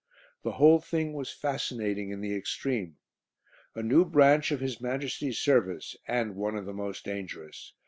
The whole thing was fascinating in the extreme. A new branch of His Majesty's Service, and one of the most dangerous.